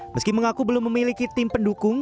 meski mengaku belum memiliki tim pendukung